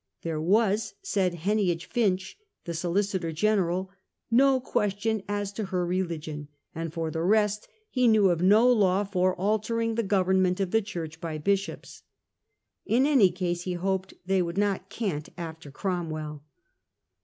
'There was,' said Heneage Finch, the Solicitor General, 'no question as to her religion; and, for the rest, he knew of no law for altering the government of the Church by Bishops.' In any case, he hoped, ' they would not cant after Cromwell.